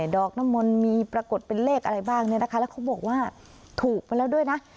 ดอกน้ำมนต์มีปรากฏเป็นเลขอะไรบ้างเนี่ยนะคะแล้วเขาบอกว่าถูกไปแล้วด้วยนะ